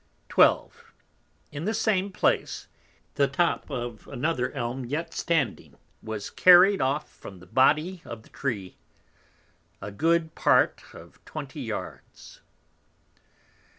12. In the same place, the Top of another Elm yet standing, was carry'd of from the Body of the Tree, a good part of 20 Yards.